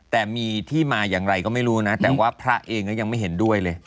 แต่มีที่มาอย่างไรก็ไม่รู้นะแต่ว่าพระเองก็ยังไม่เห็นด้วยเลย